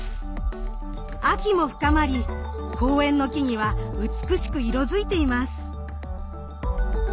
秋も深まり公園の木々は美しく色づいています。